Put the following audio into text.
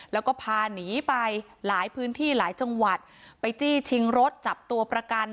แล้วก็พาหนีไปหลายพื้นที่หลายจังหวัดไปจี้ชิงรถจับตัวประกัน